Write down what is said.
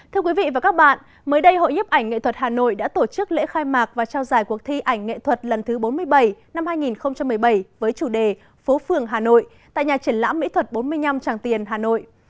thưa quý vị và các bạn mới đây hội nhiếp ảnh nghệ thuật hà nội đã tổ chức lễ khai mạc và trao giải cuộc thi ảnh nghệ thuật lần thứ bốn mươi bảy năm hai nghìn một mươi bảy với chủ đề phố phường hà nội tại nhà triển lãm mỹ thuật bốn mươi năm tràng tiền hà nội